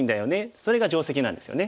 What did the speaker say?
それが定石なんですよね。